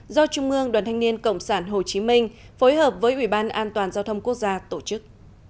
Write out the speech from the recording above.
do trung ương đoàn thanh niên cộng sản hồ chí minh phối hợp với ủy ban an toàn giao thông quốc gia tổ chức